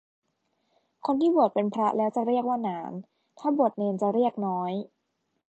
คนที่บวชเป็นพระแล้วจะเรียกว่าหนาน ถ้าบวชเณรจะเรียกน้อย